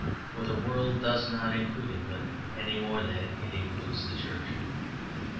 for the world does not include England any more than it includes the Church.